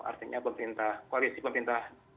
artinya koalisi pemerintah